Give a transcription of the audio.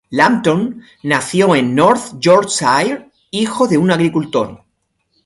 Lambton nació en North Yorkshire, hijo de un agricultor.